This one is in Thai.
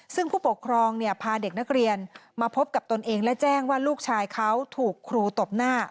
ซึ่งผู้ปกครองพาเด็กนักเรียนมาพบกับตนเองและแจ้งว่าลูกชายเขาถูกครูตบหน้า